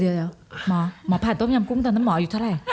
เดี๋ยวหมอผ่านต้มยำกุ้งตอนนั้นหมออยู่เท่าไหร่